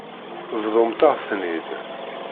Bḍumt-aɣ-ten-id.